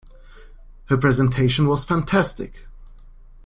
Her presentation was fantastic!